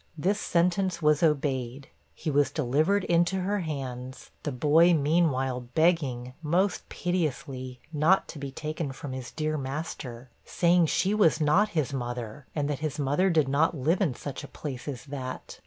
This sentence was obeyed; he was delivered into her hands, the boy meanwhile begging, most piteously, not to be taken from his dear master, saying she was not his mother, and that his mother did not live in such a place as that.